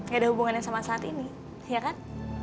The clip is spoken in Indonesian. gak ada hubungannya sama saat ini ya kan